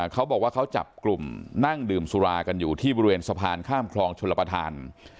เขาบอกว่าเขาจับกลุ่มนั่งดื่มสุรากันอยู่ที่บริเวณสะพานข้ามคลองชลประธาน